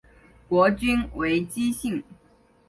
国君为姬姓。